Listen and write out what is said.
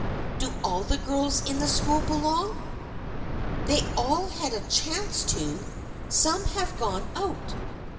" Do all the girls in the school belong ?"" They all had a chance to. Some have gone out."